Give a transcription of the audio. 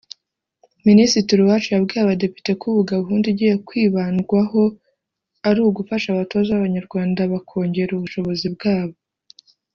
Minisitiri Uwacu yabwiye abadepite ko ubu gahunda igiye kwibandwaho ari ugufasha abatoza b’abanyarwanda bakongera ubushobozi bwabo